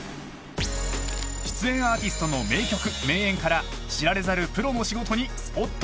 ［出演アーティストの名曲名演から知られざるプロの仕事にスポットを当てる］